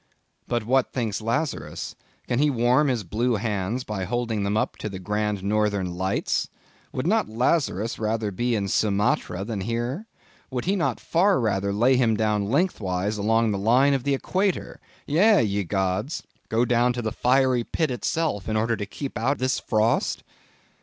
But what thinks Lazarus? Can he warm his blue hands by holding them up to the grand northern lights? Would not Lazarus rather be in Sumatra than here? Would he not far rather lay him down lengthwise along the line of the equator; yea, ye gods! go down to the fiery pit itself, in order to keep out this frost?